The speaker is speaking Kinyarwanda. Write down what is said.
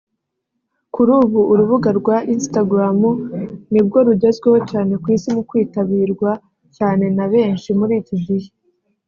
Kuri ubu urubuga rwa Instagram nibwo rugezweho cyane ku isi mu kwitabirwa cyane na benshi muri iki gihe